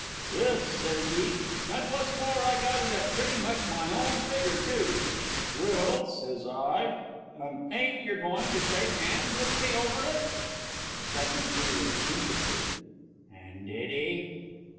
"Yes," sez he, "and what's more, I got it at pretty much my own figger, too!" "Well," sez I, "and ain't yer goin' to shake 'ands with me over it?" SECOND D. (interested). And did he?